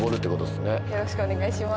よろしくお願いします